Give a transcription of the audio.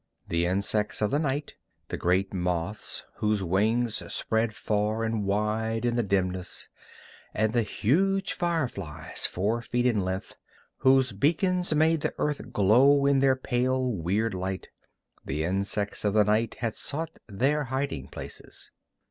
The insects of the night the great moths whose wings spread far and wide in the dimness, and the huge fireflies, four feet in length, whose beacons made the earth glow in their pale, weird light the insects of the night had sought their hiding places.